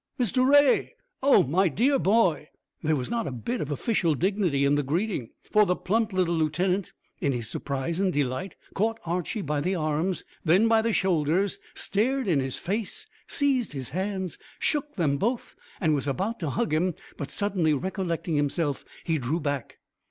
Mr Ray Oh, my dear boy!" There was not a bit of official dignity in the greeting, for the plump little lieutenant, in his surprise and delight, caught Archy by the arms, then by the shoulders; stared in his face; seized his hands, shook them both, and was about to hug him, but, suddenly recollecting himself, he drew back.